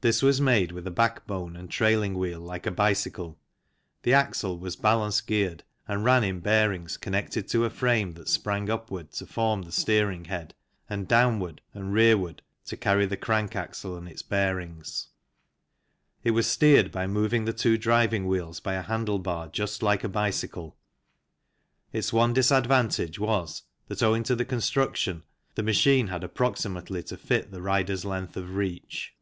This was made with a backbone and trailing wheel like a bicycle, the axle was balance geared and ran in bearings connected to a frame that sprang upward to form the steering head and downward and rearward to carry the crank axle and its bearings. It was steered by moving the two driving wheels by a handlebar just like a bicycle. Its one disadvantage was that owing to the construction the machine had approximately to fit the rider's length of reach.